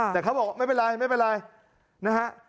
แต่เขาบอกไม่เป็นไรนะฮะ